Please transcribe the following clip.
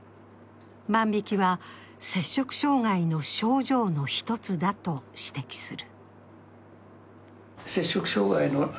万引きは摂食障害の症状の一つだと指摘する。